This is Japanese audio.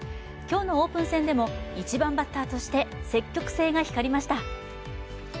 今日のオープン戦でも１番バッターとして積極性が光りました。